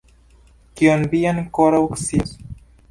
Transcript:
Kion vi ankoraŭ scias?